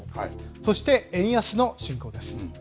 そして円安の進行です。